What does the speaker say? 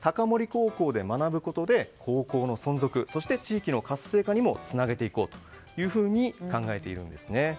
高校で学ぶことで高校の存続そして地域の活性化にもつなげていこうと考えているんですね。